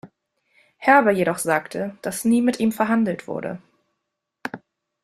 Herber jedoch sagte, dass nie mit ihm verhandelt wurde.